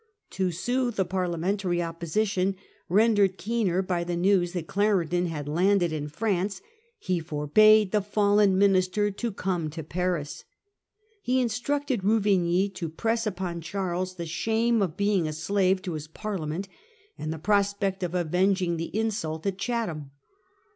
To soothe the Parliamentary oppo sition, rendered keener by the news that Clarendon had landed in France, he forbade the fallen minister to come to Paris. Pie instructed Ruvigny to press upon Charles the shame of being a slave to his Parliament, and the prospect of avenging the insult at Chatham.